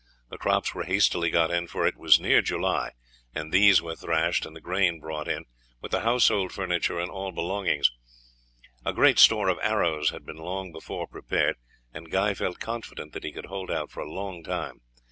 The crops were hastily got in, for it was near July, and these were thrashed and the grain brought in, with the household furniture and all belongings. A great store of arrows had been long before prepared, and Guy felt confident that he could hold out for a long time.